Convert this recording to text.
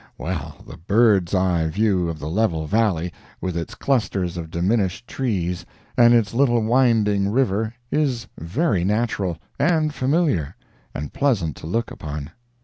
Well, the bird's eye view of the level valley, with its clusters of diminished trees and its little winding river, is very natural, and familiar, and pleasant to look upon.